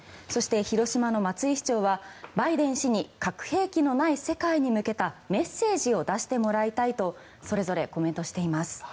そして、広島の松井市長はバイデン氏に核兵器のない世界に向けたメッセージを出してもらいたいとそれぞれコメントしています。